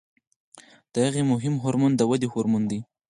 د هغې مهم هورمون د ودې هورمون دی.